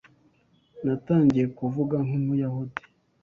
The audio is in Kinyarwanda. Natangiye kuvuga nk'umuyahudi.